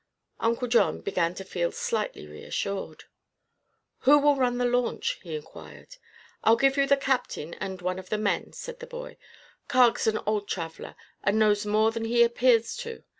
Uncle John began to feel slightly reassured. "Who will run the launch?" he inquired. "I'll give you the captain and one of the men," said the boy. "Carg's an old traveler and knows more than he appears to.